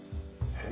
えっ？